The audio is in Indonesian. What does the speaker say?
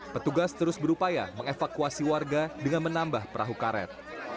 petugas terus berupaya mengevakuasi warga dengan menambah perahu karet